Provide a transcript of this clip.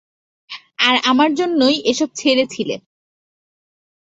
আর আমার জন্যই এসব ছেড়েছিলে।